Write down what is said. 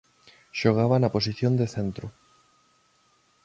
Xogaba na posición de centro.